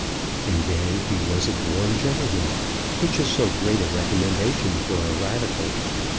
And then he was a born gentleman, which is so great a recommendation for a Radical.